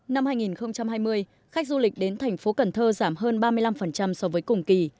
năm hai nghìn hai mươi khách du lịch đến thành phố cần thơ giảm hơn ba mươi năm so với cùng kỳ